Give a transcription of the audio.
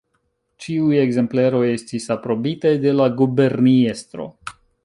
Ĉiuj ekzempleroj estis aprobitaj de la guberniestro.